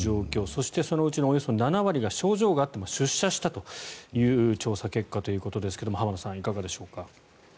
そして、そのうちのおよそ７割が症状があっても出社したという調査結果ということですが浜田さん、いかがでしょうか。